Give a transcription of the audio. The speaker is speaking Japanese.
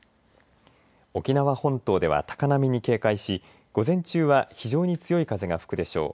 沖縄本島では高波に警戒し午前中は非常に強い風が吹くでしょう。